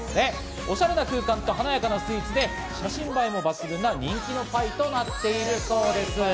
おしゃれな空間と華やかなスイーツで写真映えも抜群な人気のパイとなっているそうです。